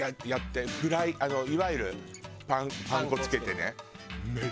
やってフライいわゆるパン粉付けてね。